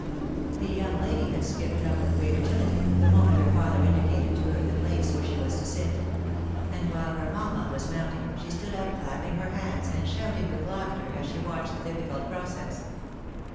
The young lady had skipped up with great agility, the 80 THE WIDOW MARRIED. moment her father indicated to her the place where she was to sit ; and while her mamma was mounting, she stood up, clapping her hands, and shouting with laughter, as she watched the difficult process.